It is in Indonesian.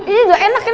ini udah enak ini